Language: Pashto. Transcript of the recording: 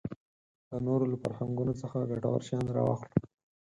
د نورو له فرهنګونو څخه ګټور شیان راواخلو.